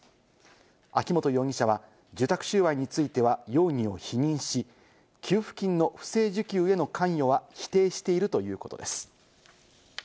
秋本容疑者は受託収賄については容疑を否認し、給付金の不正受給への関与は否定しているということです。